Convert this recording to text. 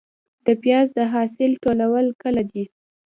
د پیاز د حاصل ټولول کله دي؟